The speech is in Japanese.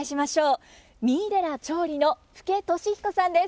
三井寺長吏の福家俊彦さんです。